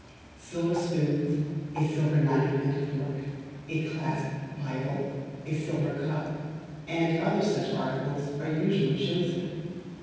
Silver spoons, a silver knife and fork, a clasp bible, a silver cup, and other such articles, are usually chosen.